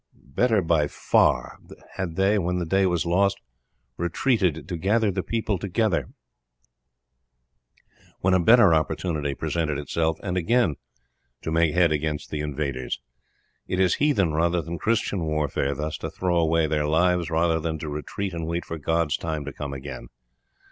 Better far had they, when the day was lost, retreated, to gather the people together when a better opportunity presented itself, and again to make head against the invaders. It is heathen rather than Christian warfare thus to throw away their lives rather than to retreat and wait for God's time to come again.